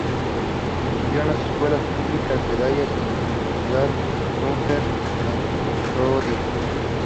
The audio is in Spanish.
Estudió en las escuelas públicas de Dallas y en la universidad Southern Methodist.